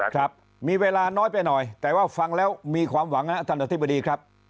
ครับมีเวลาน้อยไปหน่อยแต่ว่าฟังแล้วมีความหวังนะครับท่านอธิบดีครับ